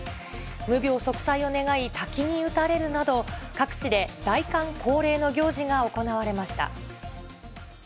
無病息災を願い、滝に打たれるなど、各地で大寒恒例の行事が行われました。